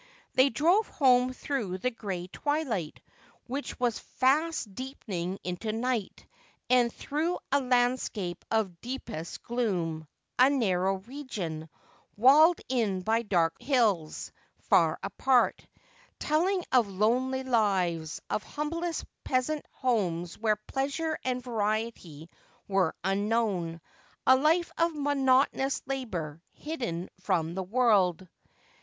They drove home through the gray twilight, which was fast deepening into night, and through a landscape of deepest gloom — a narrow region, walled in by dark hills ; dim lights, dotted here and there amidst the darkness, ever so far apart, telling of lonely lives, of humble peasant homes where pleasure and variety were unknown, a life of monotonous labour, hidden from the world.